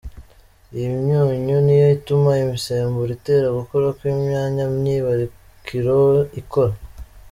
Iyi myunyu ni yo ituma imisemburo itera gukura kw’imyanya myibarukiro ikora.